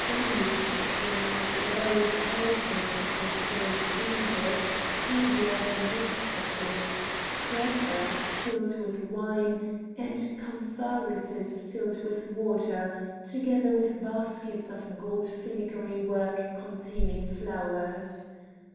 Anise sprinkled loaves alternated with great cheeses heavier than discuses, crateras filled with wine, and cantharuses filled with water, together with baskets of gold filigree work containing flowers.